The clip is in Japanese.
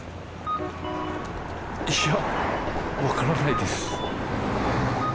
いや分からないです。